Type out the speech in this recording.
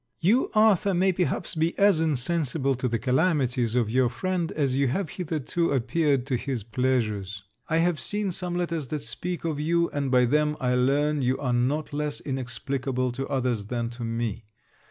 You, Arthur, may perhaps be as insensible to the calamities of your friend as you have hitherto appeared to his pleasures. I have seen some letters that speak of you, and by them, I learn you are not less inexplicable to others than to me.